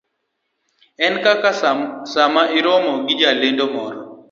en kaka sama iromo gi jalendo moro